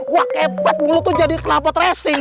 wah kepet lo tuh jadi kelapa tracing